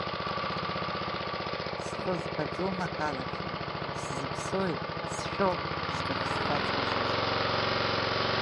Схы збаӡом акалашәа, сзыԥсои, сшәо шьҭахь схьаҵуазар?